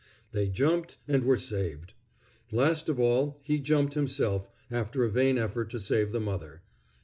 They jumped, and were saved. Last of all, he jumped himself, after a vain effort to save the mother.